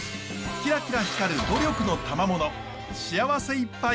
キラキラ光る努力のたまもの幸せいっぱい